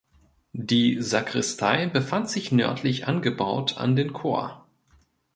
Die Sakristei befand sich nördlich angebaut an den Chor.